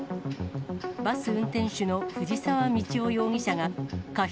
バス運転手の藤沢道郎容疑者が過失